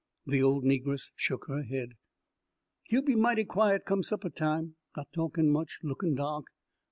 The old negress shook her head. "He'll be mighty quiet come suppeh time, not talkin' much, lookin' dahk.